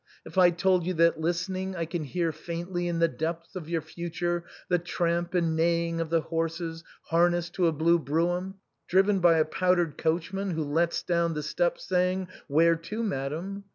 If I told you that listening, I can hear faintly rn the depths of your future, the tramp and neighing of the horses harnessed to a blue brougham, driven by a powdered coachman, who lets down the steps, saying, ' Where to, madam